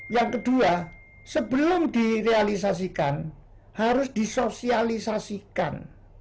yang kedua sebelum direalisasikan harus disosialisasikan